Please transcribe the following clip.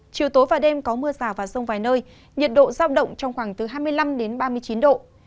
chiều tối và đêm có mưa rào và rông vài nơi nhiệt độ giao động trong khoảng từ hai mươi năm đến ba mươi chín độ